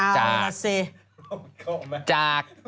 เอาล่ะสิ